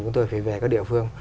chúng tôi phải về các địa phương